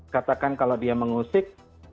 katakan kalau dia mengusik